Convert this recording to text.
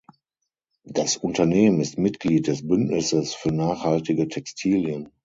Das Unternehmen ist Mitglied des Bündnisses für Nachhaltige Textilien.